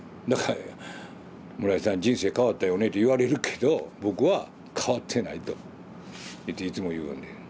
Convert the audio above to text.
だから「村井さん人生変わったよね」って言われるけど僕は変わってないといっていつも言うんで。